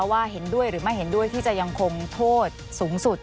เห็นด้วยหรือไม่เห็นด้วยที่จะยังคงโทษสูงสุด